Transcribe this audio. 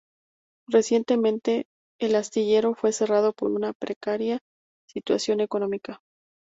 Recientemente el astillero fue cerrado por una precaria situación económica.